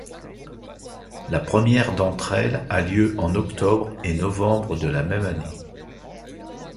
La première d'entre elles a lieu en octobre et novembre de la même année.